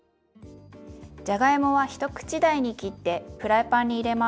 じゃがいもは一口大に切ってフライパンに入れます。